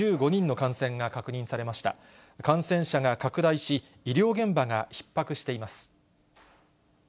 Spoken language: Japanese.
感染者が拡大し、医療現場がひっ迫しています。